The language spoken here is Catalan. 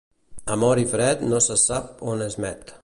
Amor i fred no se sap on es met.